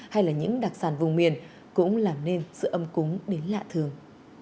hay là những đặc sản vùng miền cũng làm nên sự âm cúng đến lạ thường